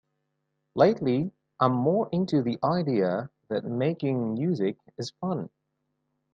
Lately I'm more into the idea that making music is fun.